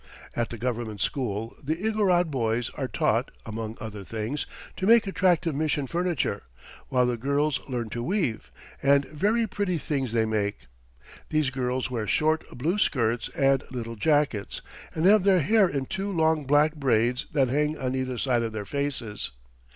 At the government school the Igorot boys are taught, among other things, to make attractive mission furniture, while the girls learn to weave, and very pretty things they make. These girls wear short blue skirts and little jackets, and have their hair in two long black braids that hang on either side of their faces.